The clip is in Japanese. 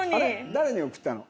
誰に送ったの？